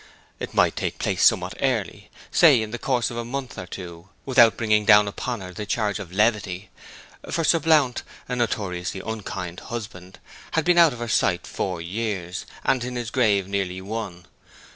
It might take place somewhat early, say in the course of a month or two, without bringing down upon her the charge of levity; for Sir Blount, a notoriously unkind husband, had been out of her sight four years, and in his grave nearly one.